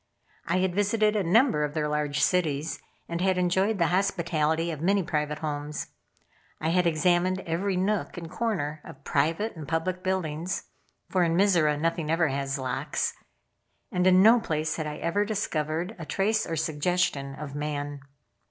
I had visited a number of their large cities, and had enjoyed the hospitality of many private homes. I had examined every nook and corner of private and public buildings, (for in Mizora nothing ever has locks) and in no place had I ever discovered a trace or suggestion of man.